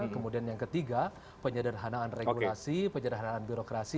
kemudian yang ketiga penyederhanaan regulasi penyederhanaan birokrasi